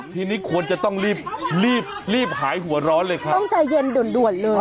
ทีนี้ควรจะต้องรีบรีบหายหัวร้อนเลยครับต้องใจเย็นด่วนด่วนเลย